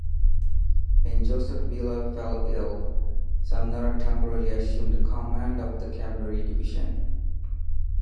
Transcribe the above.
When Joseph Wheeler fell ill, Sumner temporarily assumed command of the Cavalry Division.